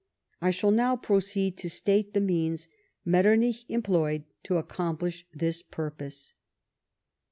I shall now proceed to state the means Metternich em ployed to accomplish this purpose.